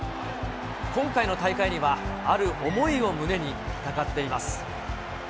今回の大会には、ある思いを胸に戦っています。